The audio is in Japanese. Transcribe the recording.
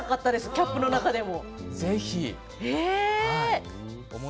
キャップの中でも。